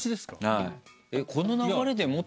はい。